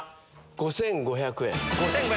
５５００円。